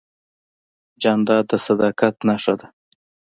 جانداد د صداقت نښه ده.